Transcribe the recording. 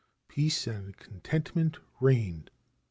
Peace and contentment reigned.